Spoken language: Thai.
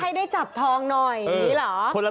ให้ได้จับทองหน่อยอย่างนี้เหรอ